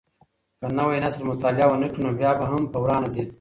که نوی نسل مطالعه ونه کړي نو بیا به هم په ورانه ځي.